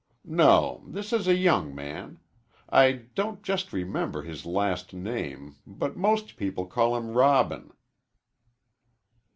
"No; this is a young man. I don't just remember his last name, but most people call him Robin."